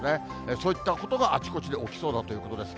そういったことがあちこちで起きそうだということです。